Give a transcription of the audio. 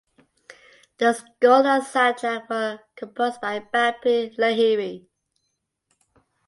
The score and soundtrack were composed by Bappi Lahiri.